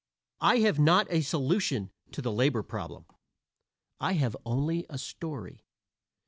I have not a "solution" to the "labor problem." I have only a story.